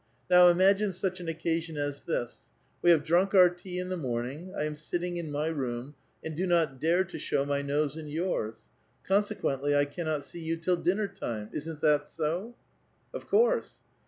Now imagine such an occasion as this : We have drunk our tea in the morning, I am sitting in my room, and do not dare to show my nose in yours ; consequently, I cannot see you till dinner time ; isn*t that so?" '* Of course.